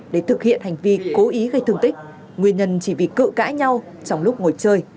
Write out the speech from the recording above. để thực hiện hành vi cố ý gây thương tích nguyên nhân chỉ vì cự cãi nhau trong lúc ngồi chơi